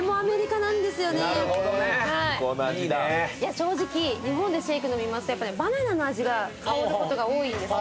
正直日本でシェイク飲みますとバナナの味が香ることが多いんですよ。